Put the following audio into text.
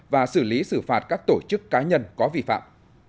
và xử lý xử phạt các tổ chức cá nhân có vi phạm